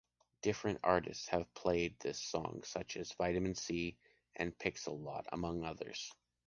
Different artists have played this song, such as Vitamin C, and Pixie Lott, among others.